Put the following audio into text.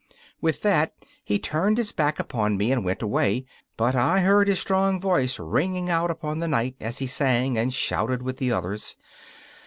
With that he turned his back upon me and went away, but I heard his strong voice ringing out upon the night as he sang and shouted with the others.